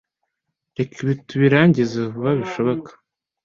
Reka ibi tubirangize vuba bishoboka.